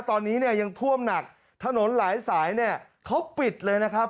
ตอนนี้เนี่ยยังท่วมหนักถนนหลายสายเนี่ยเขาปิดเลยนะครับ